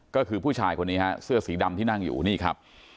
ก็คือผู้ชายคนนี้ฮะเสื้อสีดำที่นั่งอยู่นี่ครับ